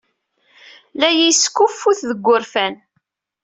La iyi-yeskuffut seg wurfan.